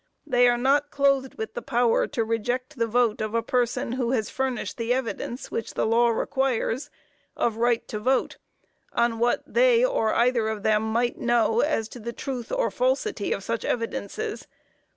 They are not clothed with the power, to reject the vote of a person who has furnished the evidence, which the law requires, of right to vote, on what they or either of them might know, as to the truth or falsity of such evidences.